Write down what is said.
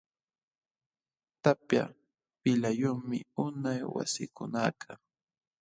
Tapya pilqayumi unay wasikunakaq.